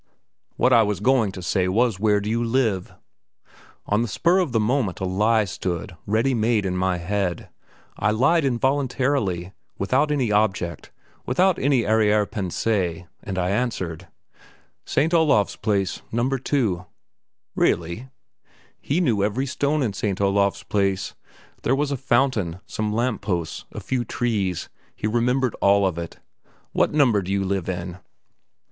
"What I was going to say was, 'where do you live?'" On the spur of the moment a lie stood, ready made, in my head. I lied involuntarily, without any object, without any arrière pensée, and I answered "St. Olav's Place, No. 2." "Really?" He knew every stone in St. Olav's Place. There was a fountain, some lamp posts, a few trees; he remembered all of it. "What number do you live in?"